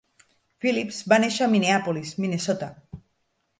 Phillips va néixer a Minneapolis, Minnesota.